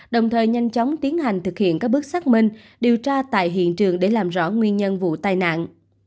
đồng thời nhanh chóng tiến hành thực hiện các bước xác minh điều tra tại hiện trường để làm rõ nguyên nhân vụ tai nạn